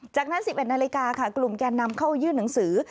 จากนั้น๑๑นาฬิกาค่ะกลุ่มแกนนำเข้ายื่นหนังสือ